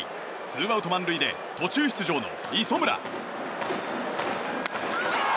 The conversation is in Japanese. ツーアウト満塁で途中出場の磯村。